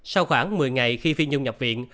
sau khoảng một mươi ngày khi phi nhung nhập viện